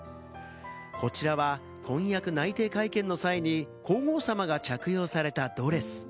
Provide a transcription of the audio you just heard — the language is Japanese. こちらは婚約内定会見の際に皇后さまが着用されたドレス。